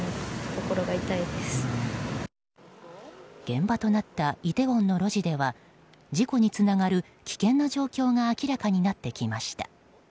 現場となったイテウォンの路地では事故につながる危険な状況が明らかになってきました。